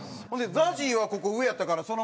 ＺＡＺＹはここ上やったからそのまま。